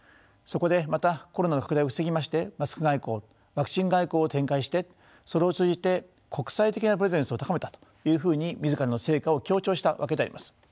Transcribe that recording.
そこでまたコロナの拡大を防ぎましてマスク外交ワクチン外交を展開してそれを通じて国際的なプレゼンスを高めたというふうに自らの成果を強調したわけであります。